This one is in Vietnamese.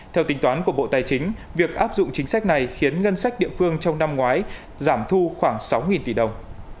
theo tính toán của bộ tài chính việc áp dụng chính sách này khiến ngân sách địa phương trong năm ngoái giảm thu khoảng sáu tỷ đồng